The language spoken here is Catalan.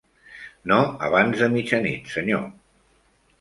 No abans de mitjanit, senyor.